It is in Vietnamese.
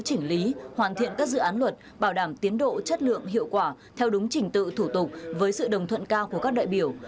chỉnh lý hoàn thiện các dự án luật bảo đảm tiến độ chất lượng hiệu quả theo đúng trình tự thủ tục với sự đồng thuận cao của các đại biểu